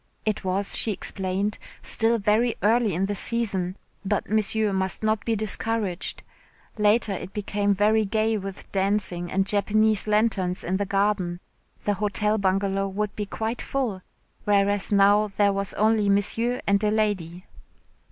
It was, she explained, still very early in the season but Monsieur must not be discouraged. Later it became very gay with dancing and Japanese lanterns in the garden. The Hotel Bungalow would be quite full, whereas now there was only Monsieur and a lady.